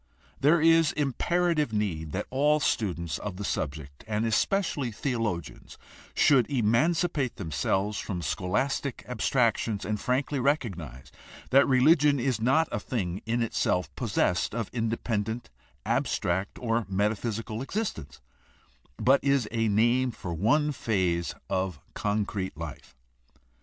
There is imperative need that all students of the subject, and especially theologians, should emancipate themselves from scholastic abstractions and frankly recognize that religion is not a thing in itself, possessed of independent, abstract, or metaphysical existence, but is a name for one phase of con crete life.